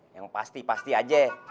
yang pasti pasti aja